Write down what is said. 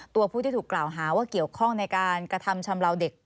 ตัวผู้ที่ถูกกล่าวหาว่าเกี่ยวข้องในการกระทำชำลาวเด็ก